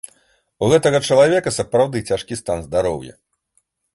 У гэтага чалавека сапраўды цяжкі стан здароўя.